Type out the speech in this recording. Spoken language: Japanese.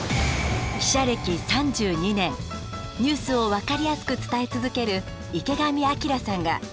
記者歴３２年ニュースを分かりやすく伝え続ける池上彰さんが。